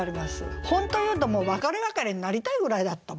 本当言うと別れ別れになりたいぐらいだったもん。